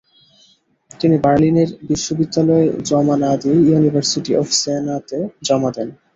তিনি বার্লিনের বিশ্ববিদ্যালয়ে জমা না দিয়ে ইউনিভার্সিটি অফ জেনা-তে জমা দেন।